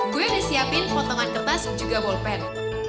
gue udah siapin potongan kertas dan juga pen